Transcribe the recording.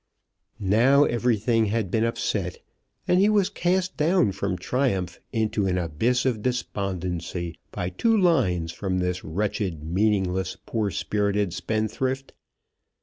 Now everything had been upset, and he was cast down from triumph into an abyss of despondency by two lines from this wretched, meaningless, poor spirited spendthrift!